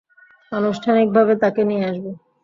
আনুষ্ঠানিকভাবে তাকে নিয়ে আসব।